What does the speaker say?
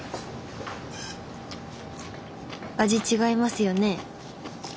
味違いますよね？